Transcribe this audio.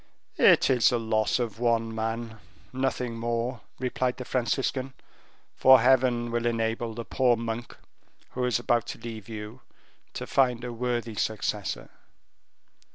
"It is the loss of one man nothing more," replied the Franciscan, "for Heaven will enable the poor monk, who is about to leave you, to find a worthy successor.